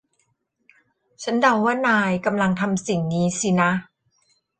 ฉันเดาว่านายกำลังทำสิ่งนี้สินะ